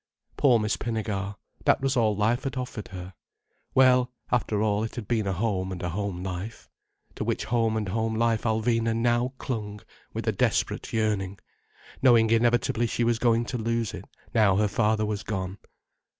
Poor Miss Pinnegar, that was all life had offered her. Well, after all, it had been a home and a home life. To which home and home life Alvina now clung with a desperate yearning, knowing inevitably she was going to lose it, now her father was gone.